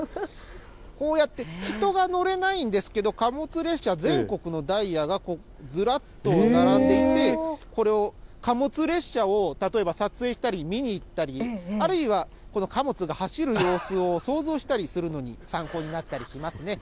こうやって人が乗れないんですけど、貨物列車、全国のダイヤがずらっと並んでいて、これを貨物列車を例えば撮影したり、見に行ったり、あるいは、この貨物が走る様子を想像したりするのに参考になったりしますね。